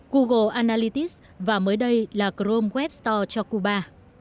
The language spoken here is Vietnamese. google analytics và mới đây là chrome web store cho cuba